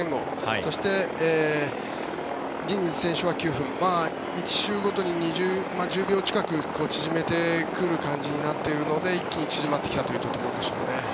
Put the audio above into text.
そして、ディニズ選手は９分１周ごとに１０秒近く縮めてくる感じになってるので一気に縮まってきたというところでしょうね。